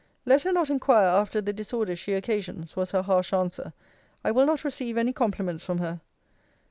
'Let her not inquire after the disorders she occasions,' was her harsh answer. 'I will not receive any compliments from her.'